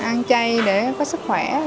ăn chay để có sức khỏe